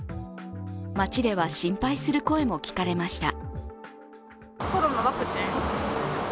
街では心配する声も聞かれました。